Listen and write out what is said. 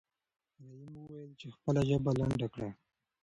رحیم وویل چې خپله ژبه لنډه کړه.